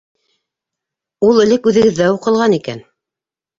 Ул элек үҙегеҙҙә уҡылған икән.